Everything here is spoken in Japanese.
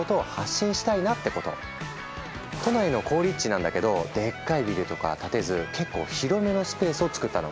都内の好立地なんだけどでっかいビルとかは建てず結構広めのスペースをつくったの。